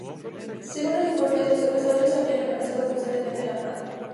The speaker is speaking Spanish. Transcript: Según los informes, los secuestradores habrían amenazado constantemente a la madre.